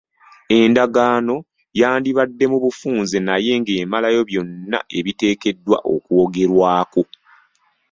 Endagaano yandibadde mu bufunze naye ng'emalayo byonna ebiteekeddwa okwogerwako.